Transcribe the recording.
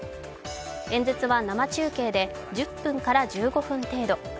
演説は生中継で１０分から１５分程度。